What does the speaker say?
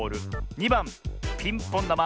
２ばんピンポンだま。